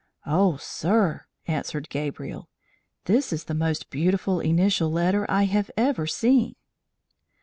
"Oh, sir," answered Gabriel, "this is the most beautiful initial letter I have ever seen!"